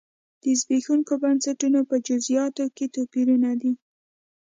د زبېښونکو بنسټونو په جزییاتو کې توپیرونه دي.